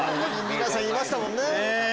皆さんいましたもんね。